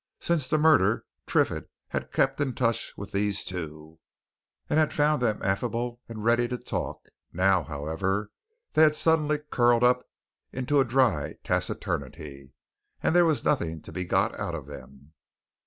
Since the murder Triffitt had kept in touch with these two, and had found them affable and ready to talk; now, however, they had suddenly curled up into a dry taciturnity, and there was nothing to be got out of them.